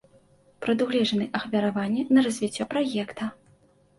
Прадугледжаны ахвяраванні на развіццё праекта.